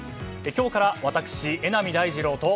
今日から私、榎並大二郎と。